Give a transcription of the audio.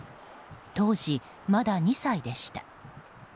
当時、まだ２歳でした。